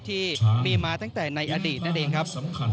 ที่มีมาตั้งแต่ในอดีตนั่นเองครับ